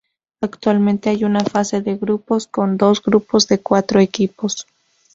Actualmente hay una fase de grupos, con dos grupos de cuatro equipos.